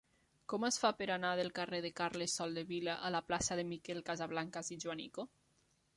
Com es fa per anar del carrer de Carles Soldevila a la plaça de Miquel Casablancas i Joanico?